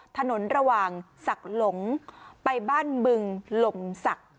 ถนนระหว่างสักหลงไปบ้านบึงหลงสัก